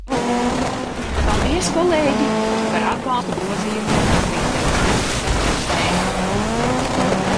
Paldies, kolēģi, par atbalstu grozījumam Latvijas Republikas Satversmē!